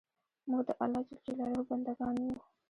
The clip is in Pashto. موږ د الله ج بندګان یو